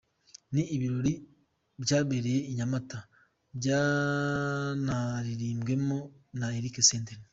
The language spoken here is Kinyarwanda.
Ni ibirori byabereye I Nyamata byanaririmbwemo na Eric Senderi.